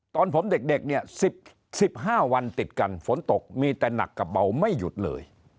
ตอนผมเด็กเนี่ย๑๕วันติดกันฝนตกมีแต่หนักกับเบาไม่หยุดเลย